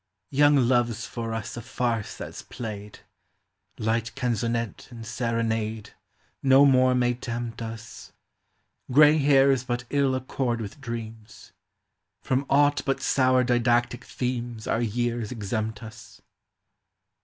Young Love 's for us a farce that 's played ; Light canzonet and serenade No more may tempt us ; Gray hairs but ill accord with dreams ; From aught but sour didactic themes Our years exempt us.